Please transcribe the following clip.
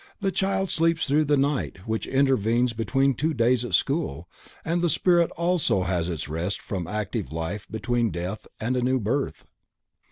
The child sleeps through the night which intervenes between two days at school and the spirit also has its rest from active life between death and a new birth.